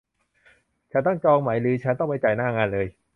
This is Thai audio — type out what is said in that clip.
ฉันต้องจองไหม หรือ ฉันไปจ่ายหน้างานเลย